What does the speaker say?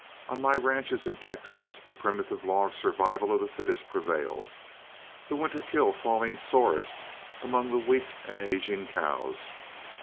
On my ranches in Texas the primitive law of survival of the fittest prevailed, the winter kill falling sorest among the weak and aging cows.